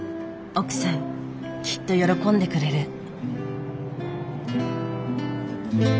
奥さんきっと喜んでくれる。